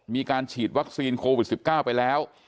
มีการฉีดวัคซีนโควิด๑๙ไปแล้ว